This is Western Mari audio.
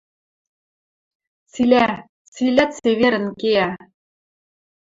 Цилӓ, цилӓ цеверӹн кеӓ.